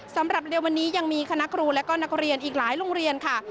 สำหรับเร็ววันนี้ยังมีคณะครูและก็นักเรียนอีกหลายโรงเรียนค่ะ